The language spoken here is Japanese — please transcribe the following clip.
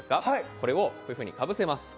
これをこういうふうにかぶせます。